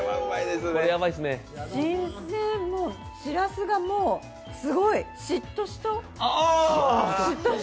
新鮮、しらすがもうすごい、しっとしと！